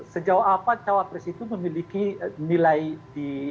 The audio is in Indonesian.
sejauh apa cawapres itu memiliki nilai di